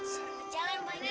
selamat jalan banyu